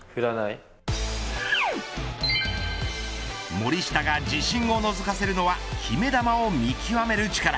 森下が自信をのぞかせるのは決め球を見極める力。